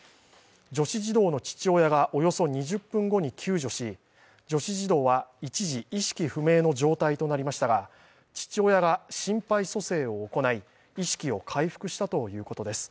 女子児童の父親がおよそ２０分後に救助し、女子児童は一時、意識不明の状態となりましたが、父親が心肺蘇生を行い意識を回復したということです。